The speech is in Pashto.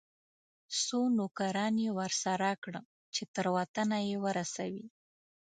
څو نوکران یې ورسره کړه چې تر وطنه یې ورسوي.